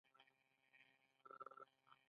دولت د نورو قبیلو حق تر پښو لاندې کاوه.